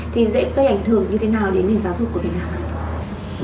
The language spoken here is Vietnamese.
thì dễ có ảnh hưởng như thế nào đến nền giáo dục của mình nào